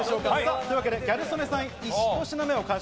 というわけで、ギャル曽根さん１品目を完食。